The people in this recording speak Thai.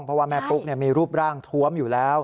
เพราะว่าแม่ปุ๊กมีรูปร่างทวมอยู่แล้ว